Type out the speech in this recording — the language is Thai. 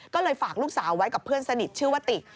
ก็เลยฝากลูกสาวไว้กับเพื่อนสนิทชื่อว่าติก